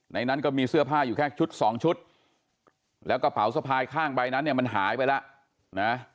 นั้นก็มีเสื้อผ้าอยู่แค่ชุดสองชุดแล้วกระเป๋าสะพายข้างใบนั้นเนี่ยมันหายไปแล้วนะ